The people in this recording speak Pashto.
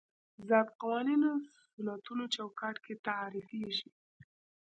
ذات قوانینو سنتونو چوکاټ کې تعریفېږي.